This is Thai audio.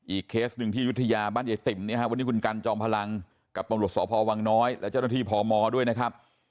เคสหนึ่งที่ยุธยาบ้านยายติ๋มเนี่ยฮะวันนี้คุณกันจอมพลังกับตำรวจสพวังน้อยและเจ้าหน้าที่พมด้วยนะครับ